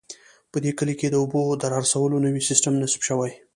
په دې کلي کې د اوبو د رارسولو نوی سیستم نصب شوی